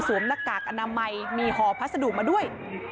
หน้ากากอนามัยมีห่อพัสดุมาด้วย